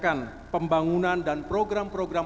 dan pemerintahan dan program program